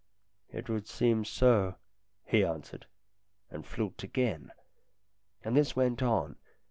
" It would seem so," he answered, and fluked again. And this went on.